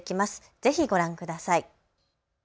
ぜひ、ご覧ください。